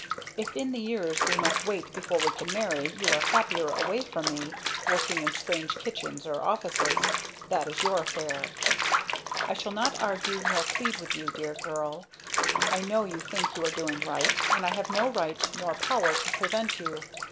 If in the years we must wait before we can marry, you are happier away from me working in strange kitchens or offices that is your affair. "I shall not argue nor plead with you, Dear Girl; I know you think you are doing right; and I have no right, nor power, to prevent you.